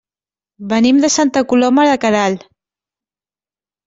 Venim de Santa Coloma de Queralt.